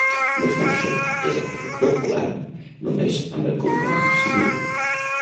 No obstant això, es va fer popular només amb el cognom Civil.